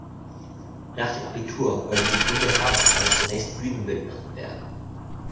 Nach dem Abitur wollte Sieglinde Hamacher zunächst Bühnenbildnerin werden.